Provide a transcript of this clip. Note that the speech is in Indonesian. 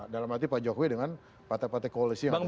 dalam arti pak jokowi dengan partai partai koalisi yang ada di sana